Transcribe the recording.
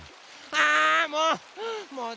あもう！